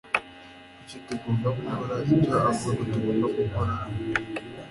Kuki tugomba gukora ibyo avuga ko tugomba gukora?